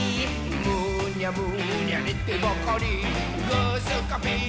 「むにゃむにゃねてばかりぐーすかー